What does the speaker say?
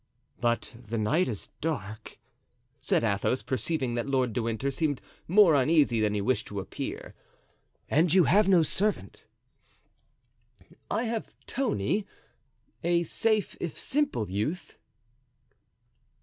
"But the night is dark," said Athos, perceiving that Lord de Winter seemed more uneasy than he wished to appear; "and you have no servant." "I have Tony, a safe if simple youth."